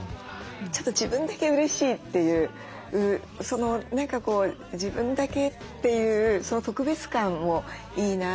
ちょっと自分だけうれしいという何かこう自分だけっていうその特別感もいいなと思って。